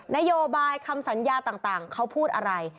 นโยบายคำสัญญาต่างเขาพูดอะไร